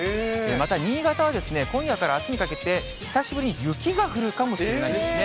また新潟は、今夜からあすにかけて、久しぶりに雪が降るかもしれないんですね。